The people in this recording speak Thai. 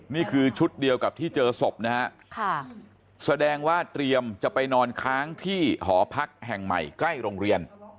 นี่คือชุดเดียวกับที่เจอศพนะฮะแสดงว่าเตรียมจะไปนอนค้างที่หอพักแห่งใหม่ใกล้โรงเรียน